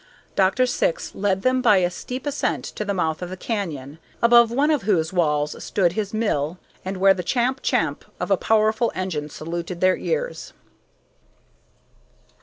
Dr. Syx led them by a steep ascent to the mouth of the canyon, above one of whose walls stood his mill, and where the "Champ! Champ!" of a powerful engine saluted their ears.